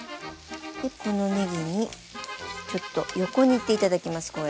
でこのねぎにちょっと横に行って頂きます